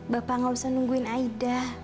bapak gak usah nungguin aida